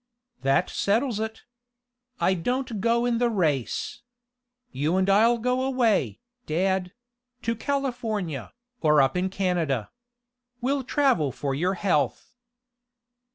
"That settles it. I don't go in the race. You and I'll go away, dad to California, or up in Canada. We'll travel for your health."